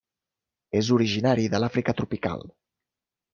És originari de l'Àfrica tropical.